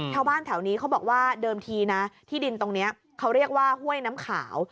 ชาวบ้านแถวนี้เขาบอกว่าเดิมทีนะที่ดินตรงนี้เขาเรียกว่าห้วยน้ำขาว